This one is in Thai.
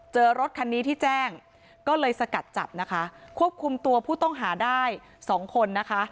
รถคันนี้ที่แจ้งก็เลยสกัดจับนะคะควบคุมตัวผู้ต้องหาได้สองคนนะคะ